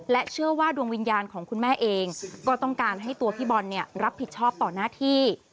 เชื่อว่าดวงวิญญาณของคุณแม่เองก็ต้องการให้ตัวพี่บอลรับผิดชอบต่อหน้าที่